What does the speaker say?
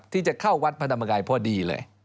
ที่จะเข้าวัดพระธรรมกายพอดีเลย